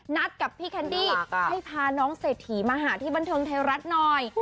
นัดกับพี่แคนดี้ให้พาน้องเศรษฐีมาหาที่บันเทิงไทยรัฐหน่อย